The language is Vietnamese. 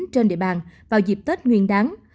trên địa bàn vào dịp tết nguyên đáng